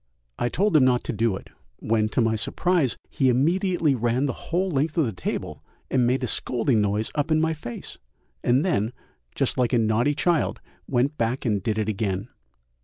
I told him not to do it, when, to my surprise, he immediately ran the whole length of the table and made a scolding noise up in my face, and then, just like a naughty child, went back and did it again.